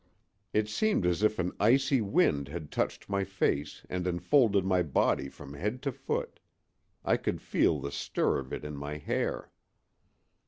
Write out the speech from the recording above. It seemed as if an icy wind had touched my face and enfolded my body from head to foot; I could feel the stir of it in my hair.